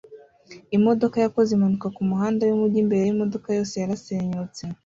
Imodoka yakoze impanuka kumuhanda wumujyi imbere yimodoka yose yarasenyutse